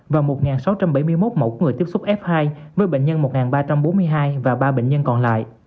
và một sáu trăm bảy mươi một mẫu người tiếp xúc f hai với bệnh nhân một ba trăm bốn mươi hai và ba bệnh nhân còn lại